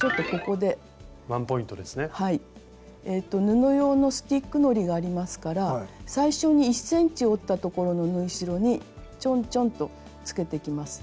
布用のスティックのりがありますから最初に１ｃｍ折った所の縫い代にちょんちょんとつけていきます。